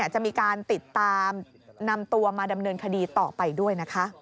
จะมีการติดตามนำตัวมาดำเนินคดีต่อไปด้วยนะคะ